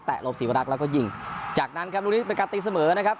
ลงศรีวรักษ์แล้วก็ยิงจากนั้นครับลูกนี้เป็นการตีเสมอนะครับ